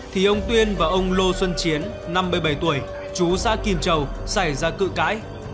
thì ông tuyên và ông lô xuân chiến năm mươi bảy tuổi chú xã kim châu xảy ra cự cãi